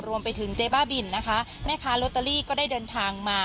รวมไปถึงเจ๊บ้าบิลโรเทอรี่ก็ได้เดินทางมา